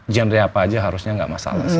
genre apa aja harusnya nggak masalah sih